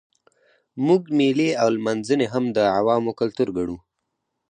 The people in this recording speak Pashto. موږ مېلې او لمانځنې هم د عوامو کلتور ګڼو.